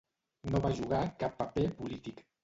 No va jugar cap paper polític.